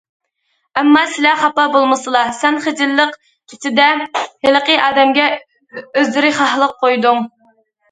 ئەمما سىلە خاپا بولمىسىلا، سەن خىجىللىق ئىچىدە ھېلىقى ئادەمگە ئۆزرىخاھلىق قويدۇڭ.